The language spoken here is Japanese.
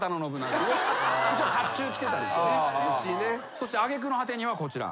そして揚げ句の果てにはこちら。